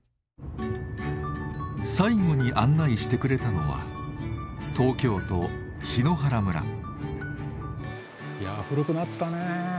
最後に案内してくれたのはいやあ古くなったね。